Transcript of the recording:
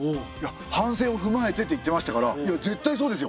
反省をふまえてって言ってましたから絶対そうですよ！